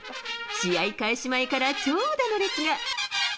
試合開始前から長蛇の列が。